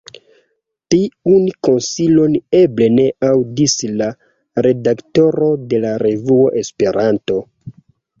Tiun konsilon eble ne aŭdis la redaktoro de la revuo Esperanto.